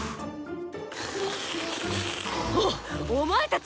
おっお前たち！